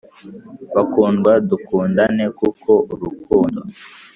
Bakundwa dukundane kuko urukundo